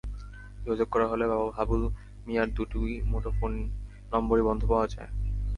যোগাযোগ করা হলে হাবুল মিয়ার দুটি মুঠোফোন নম্বরই বন্ধ পাওয়া যায়।